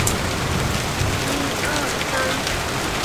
他们是乌克兰希腊礼天主教会教徒。